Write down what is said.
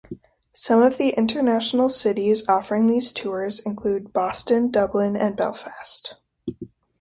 Some of the international cities offering these tours include Boston, Dublin and Belfast.